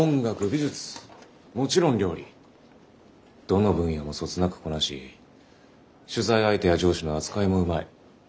どの分野もそつなくこなし取材相手や上司の扱いもうまい。